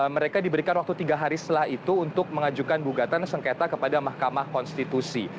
mereka diberikan waktu tiga hari setelah itu untuk mengajukan gugatan sengketa kepada mahkamah konstitusi